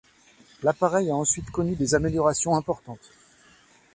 L'appareil a ensuite connu des améliorations importantes.